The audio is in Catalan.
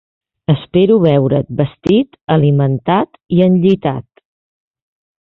Espero veure't vestit, alimentat i enllitat.